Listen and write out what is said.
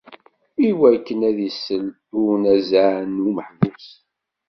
Iwakken ad isel i unazeɛ n umeḥbus.